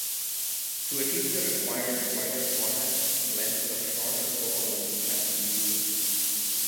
To achieve the required wider format, lenses of shorter focal-length had to be used.